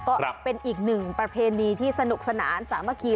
ก็เป็นอีกหนึ่งประเพณีที่สนุกสนานสามัคคี